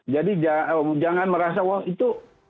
jadi jangan merasa wah itu